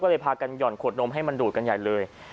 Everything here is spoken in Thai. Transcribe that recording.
ก็เลยพากันห่อนขวดนมให้มันดูดกันใหญ่เลย